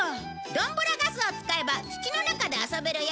どんぶらガスを使えば土の中で遊べるよ！